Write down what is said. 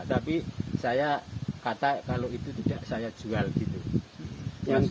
tapi saya kata kalau itu tidak saya jual gitu